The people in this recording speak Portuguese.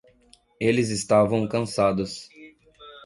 Eles estavam cansados.